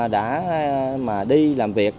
đã đi làm việc